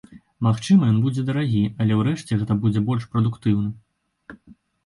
Магчыма, ён будзе дарагі, але, урэшце, гэта будзе больш прадуктыўна.